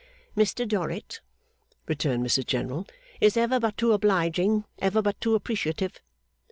'Mr Dorrit,' returned Mrs General, 'is ever but too obliging, ever but too appreciative.